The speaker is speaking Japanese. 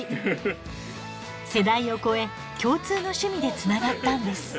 世代を超え共通の趣味でつながったんです。